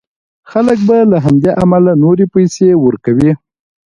خلک به له همدې امله نورې پيسې ورکوي.